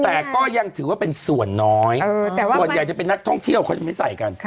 แต่ก็ยังถือว่าเป็นส่วนน้อยส่วนใหญ่จะเป็นนักท่องเที่ยวเขาจะไม่ใส่กัน